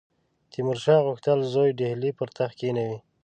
تیمورشاه غوښتل زوی ډهلي پر تخت کښېنوي.